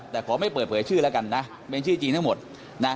แต่ขอไม่เปิดเผยชื่อแล้วกันนะเป็นชื่อจริงทั้งหมดนะ